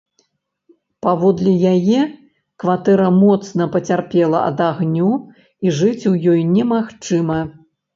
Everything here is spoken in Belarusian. Паводле яе, кватэра моцна пацярпела ад агню і жыць у ёй немагчыма.